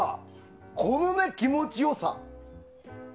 この気持ち良さ。